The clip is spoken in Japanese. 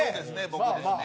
僕ですね。